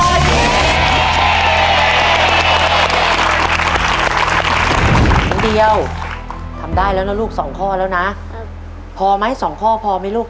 คนเดียวทำได้แล้วนะลูก๒ข้อแล้วนะพอไหม๒ข้อพอไหมลูก